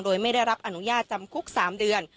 โดยไม่ได้รับอนุญาตจำคุก๓เดือน